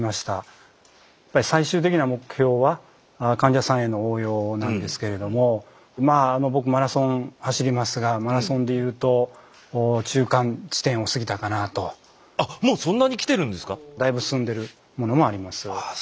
やっぱり最終的な目標は患者さんへの応用なんですけれどもまああの僕マラソン走りますがあっもうそんなに来てるんですか？だいぶ進んでるものもあります。